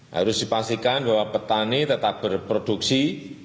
harus dipastikan bahwa petani tetap berproduksi